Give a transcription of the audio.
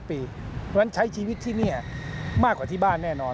เพราะฉะนั้นใช้ชีวิตที่นี่มากกว่าที่บ้านแน่นอน